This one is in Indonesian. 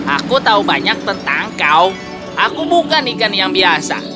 aku tahu banyak tentang kau aku bukan ikan yang biasa